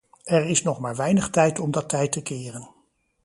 Er is nog maar weinig tijd om dat tij te keren.